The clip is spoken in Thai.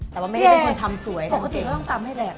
ผมตามให้แรกแม่ไม่ต้องหยั่งหน้าสวาย